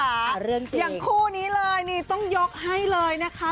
อ่าเรื่องจริงอย่างคู่นี้เลยนี่ต้องยกให้เลยนะคะ